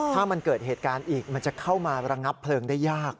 ถ้ามันเกิดเหตุการณ์อีกมันจะเข้ามาระงับเพลิงได้ยาก